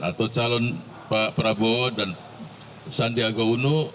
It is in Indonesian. atau calon pak prabowo dan sandiaga uno